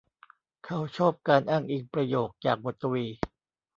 เขาชอบการอ้างอิงประโยคจากบทกวี